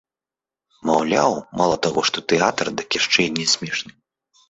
Маўляў, мала таго, што тэатр, дык яшчэ і не смешны.